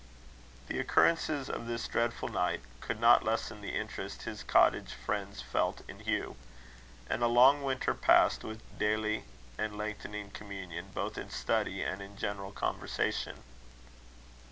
The occurrences of this dreadful night could not lessen the interest his cottage friends felt in Hugh; and a long winter passed with daily and lengthening communion both in study and in general conversation.